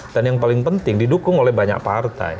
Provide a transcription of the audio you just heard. dan yang paling penting didukung oleh banyak partai